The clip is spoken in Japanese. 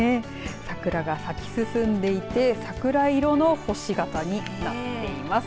桜が咲き進んでいて桜色の星形になっています。